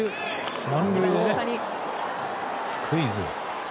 スクイズ。